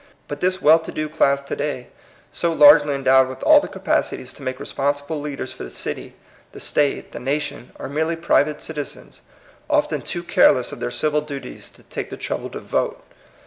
But this well to do class to day, so largely endowed with all the capacities to make re sponsible leaders for the city, the State, the nation, are merely private citizens, often too careless of their civil duties to take the trouble to vote.